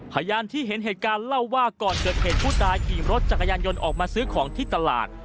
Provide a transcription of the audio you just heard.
พยานที่เห็นเหตุการณ์เล่าว่าก่อนเกิดเหตุผู้ตายขี่รถจักรยานยนต์ออกมาซื้อของที่ตลาด